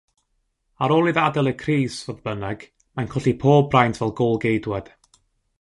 Ar ôl iddo adael y cris, fodd bynnag, mae'n colli pob braint fel gôl-geidwad.